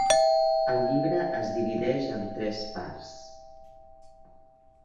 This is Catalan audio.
El llibre es divideix en tres parts.